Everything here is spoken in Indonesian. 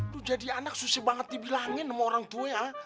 lu jadi anak susah banget dibilangin sama orang tuanya